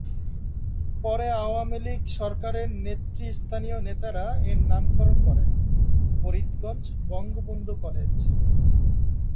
পরে আওয়ামী লীগ সরকারের নেতৃস্থানীয় নেতারা এর নামকরণ করেন, ফরিদগঞ্জ বঙ্গবন্ধু কলেজ।